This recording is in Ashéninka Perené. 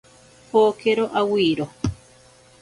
Pokero awiro.